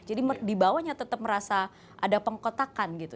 jadi di bawahnya tetap merasa ada pengkotakan gitu